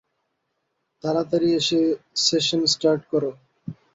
তাড়াতাড়ি এসে session start করো!